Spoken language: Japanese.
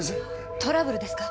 トラブルですか？